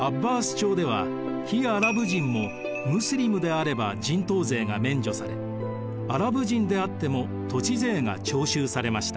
朝では非アラブ人もムスリムであれば人頭税が免除されアラブ人であっても土地税が徴収されました。